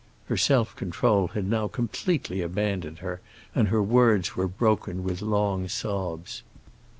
Her self control had now completely abandoned her, and her words were broken with long sobs.